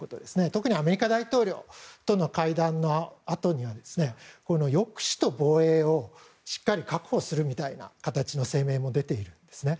特にアメリカ大統領との会談のあとには抑止と防衛をしっかり確保するみたいな形の声明も出ているんですね。